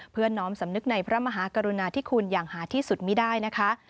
เพื่อน้อมสำนึกในพระมหากรุณาธิคุณอย่างหาที่สุดไม่ได้นะคะ